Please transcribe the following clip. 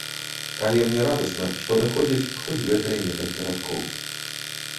Але мне радасна, што даходзяць хоць гэтыя некалькі радкоў.